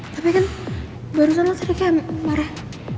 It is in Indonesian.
tapi kan barusan lo suka marah